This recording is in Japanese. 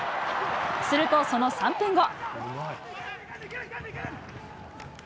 するとその３分後。